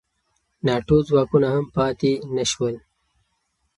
ناټو ځواکونه هم پاتې نه شول.